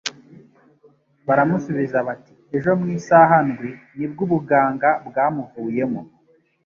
Baramusubiza bati: "Ejo mu isaha ndwi ni bwo ubuganga bwamuvuyemo."